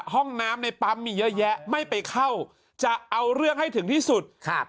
ห้องน้ำในปั๊มมีเยอะแยะไม่ไปเข้าจะเอาเรื่องให้ถึงที่สุดครับ